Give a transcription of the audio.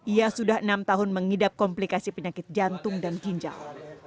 ia sudah enam tahun mengidap komplikasi penyakit jantung dan ginjal